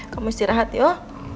kamu istirahat yuk